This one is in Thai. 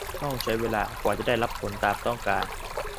ต้องใช้เวลากว่าจะได้รับผลตามต้องการ